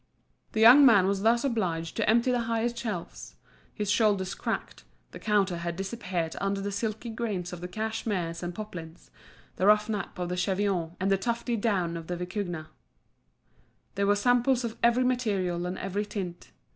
The young man was thus obliged to empty the highest shelves; his shoulders cracked, the counter had disappeared under the silky grain of the cashmeres and poplins, the rough nap of the cheviot, and the tufty down of the vicugna; there were samples of every material and every tint.